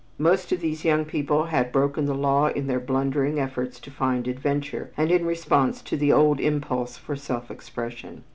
Most of these young people had broken the law in their blundering efforts to find adventure and in response to the old impulse for self expression.